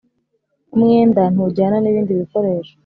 umwenda ntujyana nibindi bikoresho.